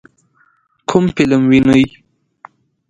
کوم فلم وینئ؟